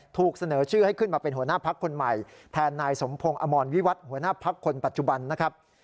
ถูกเสนอชื่อให้ขึ้นมาเป็นหัวหน้าพักคนใหม่แทนนายสมพงศ์อมรวิวัตรหัวหน้าพักคนปัจจุบันนะครับ